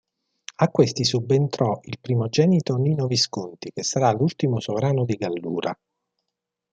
A questi subentrò il primogenito Nino Visconti che sarà l'ultimo sovrano di Gallura.